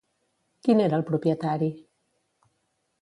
Qui n'era el propietari?